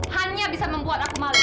hanya bisa membuat aku maling